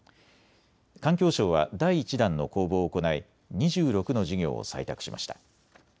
環境省は第１弾の公募を行い２６の事業を採択しました。